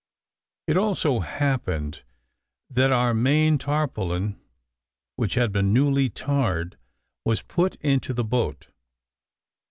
It also happened that our main tarpaulin, which had been newly tarred, was put into the boat.